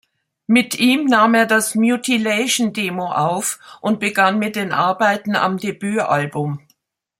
Mit ihm nahm er das Mutilation-Demo auf und begann mit den Arbeiten am Debütalbum.